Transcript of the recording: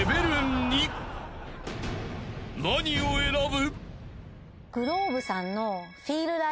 ［何を選ぶ？］